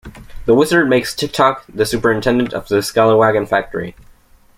The Wizard makes Tik-Tok the superintendent of the scalawagon factory.